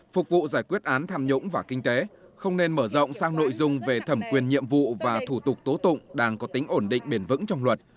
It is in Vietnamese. phục vụ giải quyết án tham nhũng và kinh tế không nên mở rộng sang nội dung về thẩm quyền nhiệm vụ và thủ tục tố tụng đang có tính ổn định bền vững trong luật